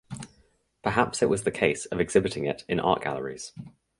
Perhaps it was the case of exhibiting it in art galleries.